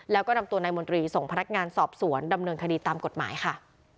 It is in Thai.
แล้วก็นำตัวนายมนตรีส่งพนักงานสอบสวนดำเนินคดีตามกฎหมายค่ะ